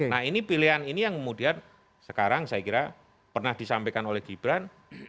nah ini pilihan ini yang kemudian sekarang saya kira pernah disampaikan oleh gibran